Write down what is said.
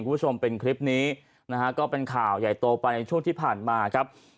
คุณผู้ชมเป็นคลิปนี้นะฮะก็เป็นข่าวใหญ่โตไปในช่วงที่ผ่านมาครับ